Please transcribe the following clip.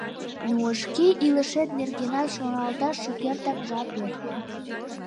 Но шке илышет нергенат шоналташ шукертак жап вет.